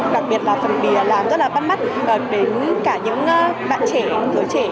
đặc biệt là phần bì làm rất là bắt mắt đến cả những bạn trẻ người trẻ